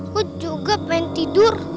aku juga pengen tidur